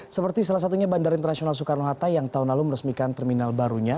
seperti salah satunya bandara internasional soekarno hatta yang tahun lalu meresmikan terminal barunya